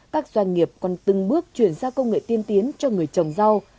các doanh nghiệp còn từng bước chuyển giao công nghệ tiên tiến cho người trồng rau